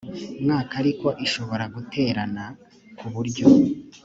mwaka ariko ishobora guterana ku buryo